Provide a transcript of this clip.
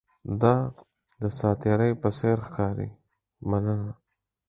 دا د ساتیرۍ په څیر ښکاري، مننه!